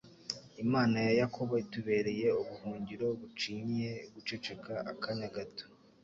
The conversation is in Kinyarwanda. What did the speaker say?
Imana ya Yakobo itubereye ubuhungiro bucinyiye guceceka akanya gato